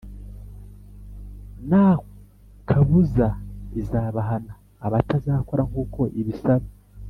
nakabuza izabahana abatazakora nkuko ibisaba